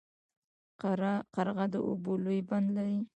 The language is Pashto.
قرغه د اوبو لوی بند لري.